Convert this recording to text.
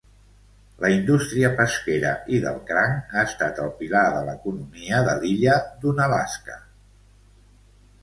La indústria pesquera i del cranc ha estat el pilar de l'economia de l'illa d'Unalaska.